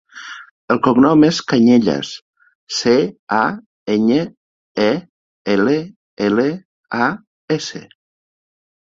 El cognom és Cañellas: ce, a, enya, e, ela, ela, a, essa.